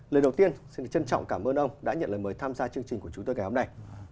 lời đầu tiên xin trân trọng cảm ơn ông đã nhận lời mời tham gia chương trình của chúng tôi ngày hôm nay